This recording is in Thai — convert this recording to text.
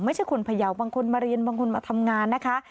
ไม่ใช่คนพยาวบางคนมาเรียนบางคนมาทำงานนะคะ